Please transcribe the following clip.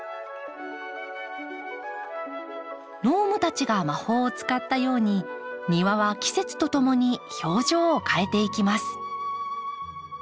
ノームたちが魔法を使ったように庭は季節とともに表情を変えていきます。